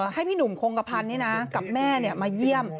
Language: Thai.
ให้พี่หนุ่มคงกระพันธ์กับแม่มาเยี่ยม